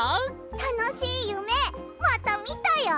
たのしいゆめまたみたよ。